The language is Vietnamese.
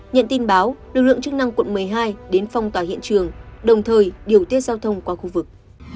nhận tin báo lực lượng chức năng quận một mươi hai đến phong tỏa hiện trường đồng thời điều tiết giao thông qua khu vực